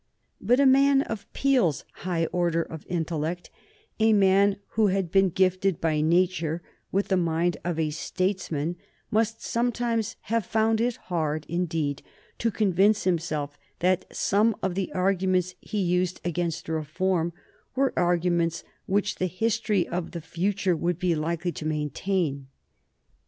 But a man of Peel's high order of intellect, a man who had been gifted by nature with the mind of a statesman, must sometimes have found it hard indeed to convince himself that some of the arguments he used against reform were arguments which the history of the future would be likely to maintain.